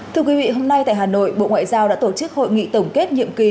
thưa quý vị hôm nay tại hà nội bộ ngoại giao đã tổ chức hội nghị tổng kết nhiệm kỳ